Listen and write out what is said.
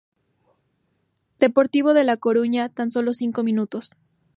Deportivo de La Coruña tan solo cinco minutos.